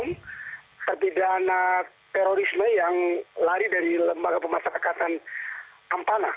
yang terpidana terorisme yang lari dari lembaga pemaksa kekatan ampana